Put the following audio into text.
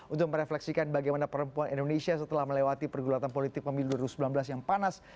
untuk merefleksikan bagaimana perempuan indonesia setelah melewati pergulatan politik pemilu dua ribu sembilan belas yang panas